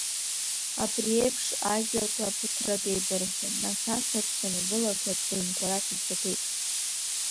Абри еиԥш ажәақәа ԥыҭрак еибырҳәон, нас асасцәа нагылақәан, рыҩнқәа рахь ицақәеит.